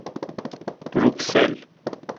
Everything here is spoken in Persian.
بروکسل